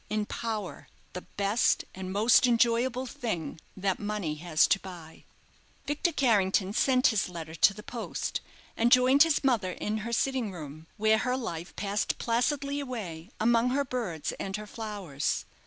In power the best and most enjoyable thing that money has to buy." Victor Carrington sent his letter to the post, and joined his mother in her sitting room, where her life passed placidly away, among her birds and her flowers.